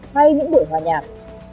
hay những buổi hòa nhạc